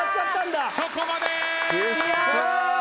そこまでー！